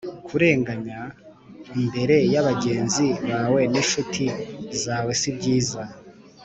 kurenganya, imbere ya bagenzi bawe n’incuti zawe sibyiza